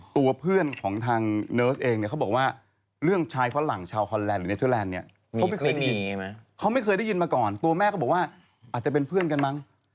ตัวเพื่อนของทางเนอร์สเองเนี่ยเค้าบอกว่า